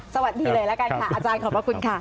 สวัสดีเลยละกันค่ะอาจารย์ขอบพระคุณค่ะ